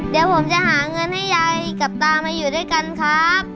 เดี๋ยวผมจะหาเงินให้ยายกับตามาอยู่ด้วยกันครับ